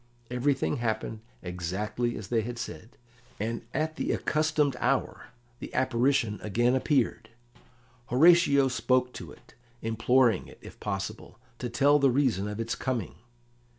Everything happened exactly as they had said, and at the accustomed hour the apparition again appeared. Horatio spoke to it, imploring it, if possible, to tell the reason of its coming.